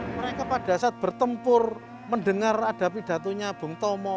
mereka pada saat bertempur mendengar ada pidatonya bung tomo